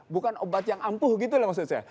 bukan obat yang ampuh gitu loh maksud saya